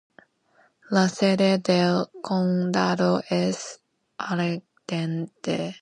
La sede del condado es Allendale.